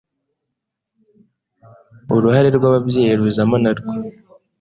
Uruhare rw'ababyeyi ruzamo narwo